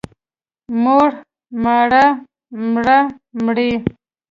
موړ، ماړه، مړه، مړې.